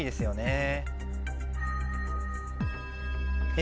え